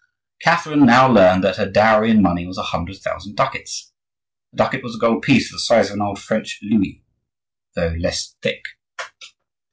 Catherine now learned that her dowry in money was a hundred thousand ducats. A ducat was a gold piece of the size of an old French louis, though less thick.